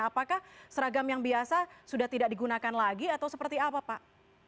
apakah seragam yang biasa sudah tidak digunakan lagi atau seperti apa pak